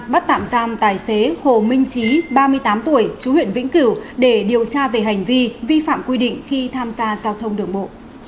bắt tạm giam tài xế hồ minh trí ba mươi tám tuổi chú huyện vĩnh cửu để điều tra về hành vi vi phạm quy định khi tham gia giao thông đường bộ